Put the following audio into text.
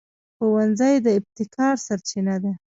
ښوونځی د ابتکار سرچینه ده